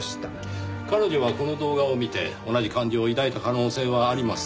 彼女がこの動画を見て同じ感情を抱いた可能性はあります。